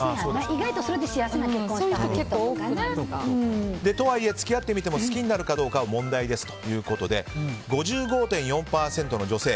意外とそれで幸せな結婚してはったりな。とはいえ付き合ってみても好きになるかどうかは問題ですということで５５．４％の女性